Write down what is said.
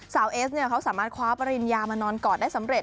สาวเอสเนี่ยเขาสามารถคว้าผมประบริญญามานอนกอดได้สำเร็จ